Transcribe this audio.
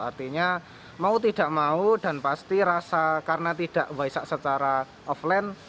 artinya mau tidak mau dan pasti rasa karena tidak waisak secara offline